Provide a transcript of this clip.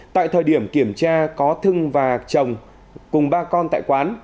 tại thời điểm kiểm tra có thương và chồng cùng ba con tại quán